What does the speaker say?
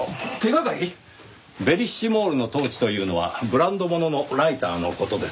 ベリッシモールのトーチというのはブランド物のライターの事です。